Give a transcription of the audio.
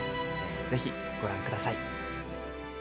ぜひご覧ください。